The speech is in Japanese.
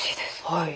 はい。